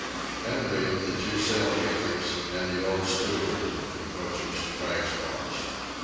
Henry, the two Japanese sail makers, and the old steward compose Mr. Pike's watch.